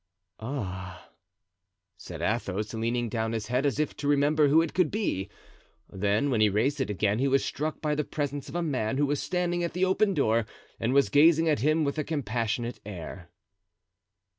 "Ah!" said Athos, leaning down his head as if to remember who it could be. Then, when he raised it again, he was struck by the presence of a man who was standing at the open door and was gazing at him with a compassionate air.